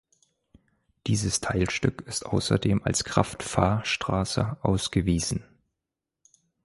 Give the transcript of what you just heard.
Dieses Teilstück ist außerdem als Kraftfahrstraße ausgewiesen.